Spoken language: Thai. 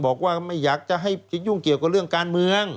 บอกว่าไม่อยากให้ยุ่งเกี่ยวกับการเมือง